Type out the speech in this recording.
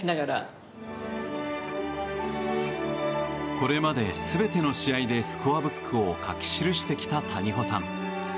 これまで、全ての試合でスコアブックを書き記してきた谷保さん。